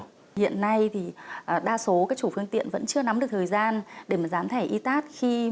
trong thời gian này thì đa số các chủ phương tiện vẫn chưa nắm được thời gian để gián thẻ y tát